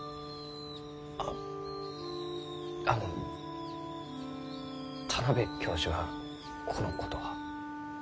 ああの田邊教授はこのことは？